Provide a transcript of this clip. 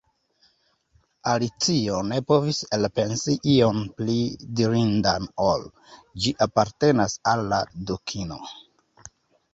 Alicio ne povis elpensi ion pli dirindan ol: "Ĝi apartenas al la Dukino. »